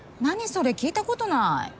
それ聞いたことない。